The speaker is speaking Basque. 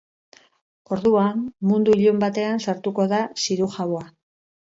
Orduan, mundu ilun batean sartuko da zirujaua.